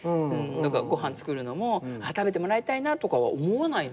だからご飯作るのも食べてもらいたいなとかは思わないの。